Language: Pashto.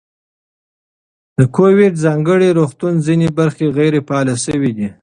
د کوویډ ځانګړي روغتون ځینې برخې غیر فعالې شوې دي.